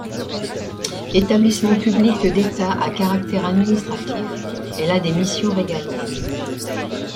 Établissement public d'État à caractère administratif, elle a des missions régaliennes.